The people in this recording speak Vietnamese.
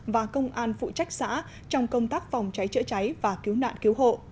và công an phụ trách xã trong công tác phòng cháy chữa cháy và cứu nạn cứu hộ